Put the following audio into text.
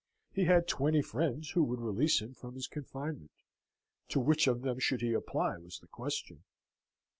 He had twenty friends who would release him from his confinement: to which of them should he apply, was the question.